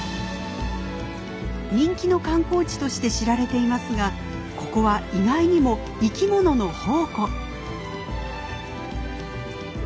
人気の観光地として知られていますがここは意外にも生き物の宝庫。